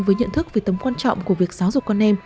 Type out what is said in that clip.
với nhận thức về tấm quan trọng của việc giáo dục con em